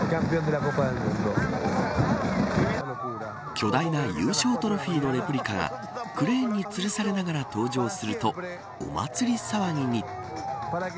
巨大な優勝トロフィーのレプリカがクレーンにつるされながら登場するとお祭り騒ぎに。